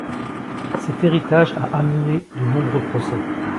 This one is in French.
Cet héritage a amené de nombreux procès.